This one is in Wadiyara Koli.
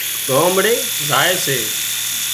ڳامڙي زائي سي